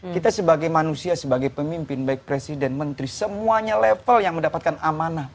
kita sebagai manusia sebagai pemimpin baik presiden menteri semuanya level yang mendapatkan amanah